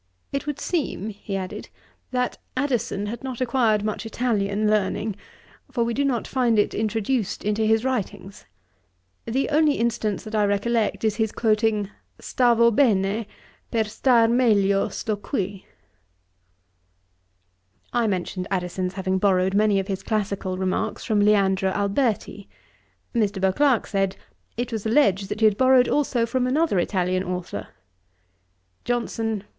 It would seem (he added,) that Addison had not acquired much Italian learning, for we do not find it introduced into his writings. The only instance that I recollect, is his quoting "Stavo bene; per star meglio, sto qui."' I mentioned Addison's having borrowed many of his classical remarks from Leandro Alberti. Mr. Beauclerk said, 'It was alledged that he had borrowed also from another Italian authour.' JOHNSON.